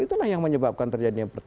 itulah yang menyebabkan terjadinya